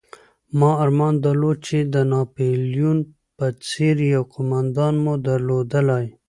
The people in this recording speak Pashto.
ما ارمان درلود چې د ناپلیون په څېر یو قومندان مو درلودلای.